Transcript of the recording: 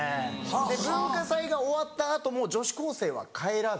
で文化祭が終わった後も女子高生は帰らず。